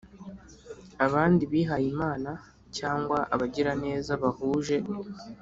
abandi Bihayimana cyangwa abagiraneza bahuje